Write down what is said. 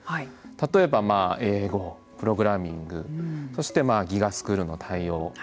例えば英語プログラミングそしてＧＩＧＡスクールの対応